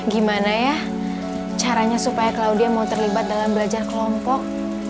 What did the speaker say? gimana ya caranya supaya kalau dia mau terlibat dalam belajar kelompok